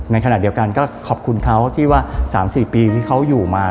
ในขณะเดียวกันก็ขอบคุณเขาที่ว่า๓๔ปีที่เขาอยู่มา